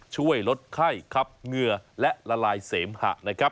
ช่วยลดไข้ครับเหงื่อและละลายเสมหะนะครับ